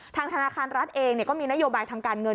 ธนาคารรัฐเองก็มีนโยบายทางการเงิน